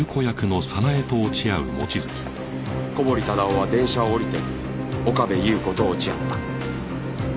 小堀忠夫は電車を降りて岡部祐子と落ち合った